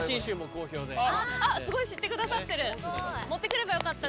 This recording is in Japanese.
すごい知ってくださってる。